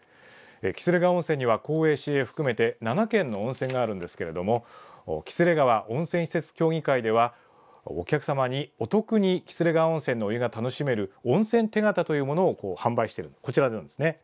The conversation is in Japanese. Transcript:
喜連川温泉には公営、私営含めて７件の温泉があるんですけれども喜連川温泉施設協議会ではお客様にお得に喜連川温泉のお湯が楽しめる温泉手形というものを販売しています。